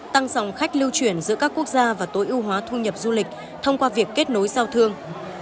tăng dòng khách lưu chuyển giữa các quốc gia và tối ưu hóa thu nhập du lịch thông qua việc kết nối giao thương